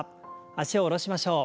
脚を下ろしましょう。